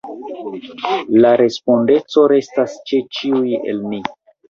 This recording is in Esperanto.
La respondeco restas ĉe ĉiuj el ni.